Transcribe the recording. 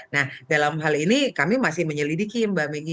nah dalam hal ini kami masih menyelidiki mbak megi